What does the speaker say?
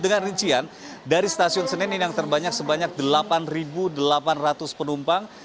dengan rincian dari stasiun senen ini yang terbanyak sebanyak delapan delapan ratus penumpang